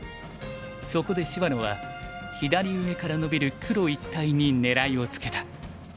そこで芝野は左上から伸びる黒一帯に狙いをつけた。